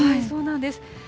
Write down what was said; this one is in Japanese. そうなんです。